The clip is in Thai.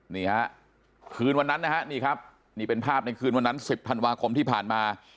นี่ฮะคืนวันนั้นนะฮะนี่ครับนี่เป็นภาพในคืนวันนั้น๑๐ธันวาคมที่ผ่านมา